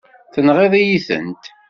Tenɣiḍ-iyi-tent.